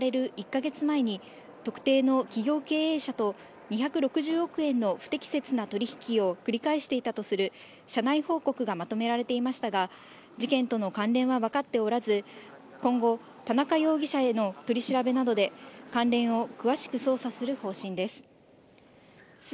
１か月前に特定の企業経営者と２６０億円の不適切な取引を繰り返していたとする社内報告がまとめられていましたが事件との関連は分かっておらず今後、田中容疑者への取り調べなどで関連を詳しく捜査する方針です。